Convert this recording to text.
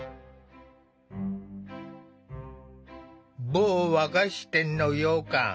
某和菓子店のようかん。